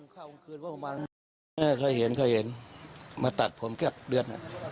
เคยเห็นมาตัดผมแค่เดือน